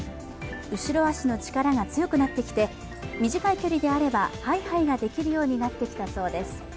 後ろ足の力が強くなってきて、短い距離であればハイハイができるようになってきたそうです。